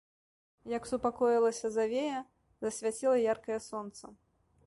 Як супакоілася завея, засвяціла яркае сонца.